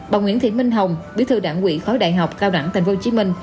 bà nguyễn thị minh hồng biểu thư đảng quỹ khói đại học cao đẳng tp hcm